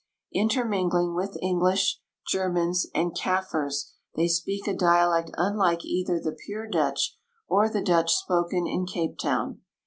Inter mingling with English, Germans, and Kaffirs they speak a dialect unlike either the pure Dutch or the Dutch spoken in Cape Town.